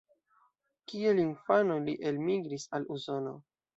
Kiel infano li elmigris al Usono.